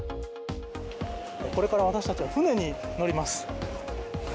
これから私たちは船に乗ります。